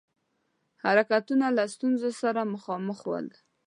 حرکتونه له ستونزو سره مخامخ ول.